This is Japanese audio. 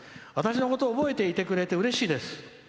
私のこと覚えてくれていてうれしいです」。